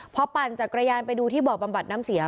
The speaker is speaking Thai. พอปั่นจักรยานไปดูที่บ่อบำบัดน้ำเสีย